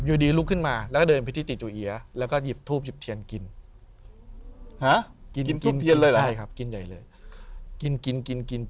อยู่ดีลุกขึ้นมาแล้วก็เดินไปที่ติจูเอี๊ยะแล้วก็หยิบทูบหยิบเทียนกิน